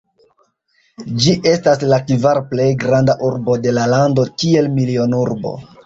Ĝi estas la kvara plej granda urbo de la lando, kiel milionurbo.